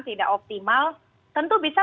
tidak optimal tentu bisa